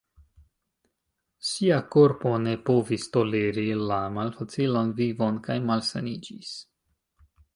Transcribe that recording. Sia korpo ne povis toleri la malfacilan vivon kaj malsaniĝis.